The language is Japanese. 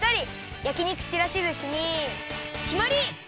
やき肉ちらしずしにきまり！